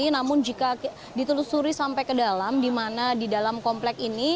namun jika ditelusuri sampai ke dalam di mana di dalam komplek ini